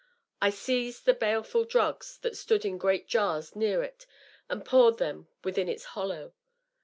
I seized the baleful drugs that stood in great jars near it and poured them within its hollow.